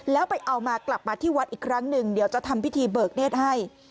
แล้วไปเอามากลับมาที่วัดอีกครั้งหนึ่งเดี๋ยวจะทำพิธีเบิกเนธให้